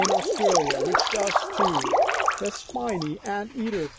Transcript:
67 Australia which does too, the spiny ant eater.